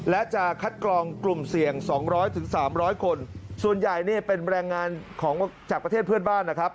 และจะคัดกรองกลุ่มเสี่ยง๒๐๐๓๐๐คนส่วนใหญ่เป็นแรงงานจากประเทศเพื่อนบ้าน